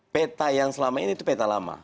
peta yang selama ini itu peta lama